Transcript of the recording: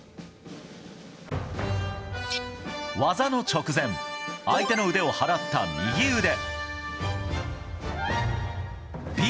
Ａ、技の直前相手の腕を払った右腕。